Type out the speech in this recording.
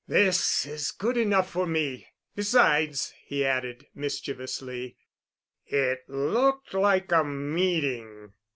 "This is good enough for me. Besides," he added mischievously, "it looked like a meeting."